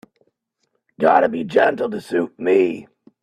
Gotta be gentle to suit me.